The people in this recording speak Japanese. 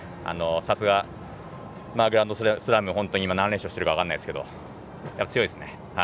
さすが、グランドスラム何連勝してるか分からないですが強いですね。